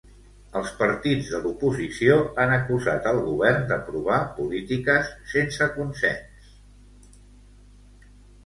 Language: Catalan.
Els partits de l'oposició han acusat el govern d'aprovar polítiques sense consens.